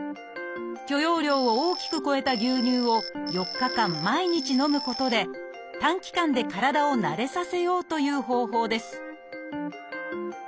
許容量を大きく超えた牛乳を４日間毎日飲むことで短期間で体を慣れさせようという方法です